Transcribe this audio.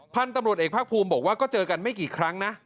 พันธุ์ตำรวจเอกภาคภูมิบอกว่าก็เจอกันไม่กี่ครั้งนะ